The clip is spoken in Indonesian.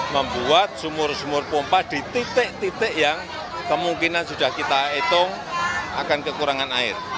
membuat sumur sumur pompa di titik titik yang kemungkinan sudah kita hitung akan kekurangan air